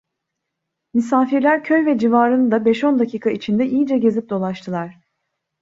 Misafirler köy ve civarını da beş on dakika içinde iyice gezip dolaştılar.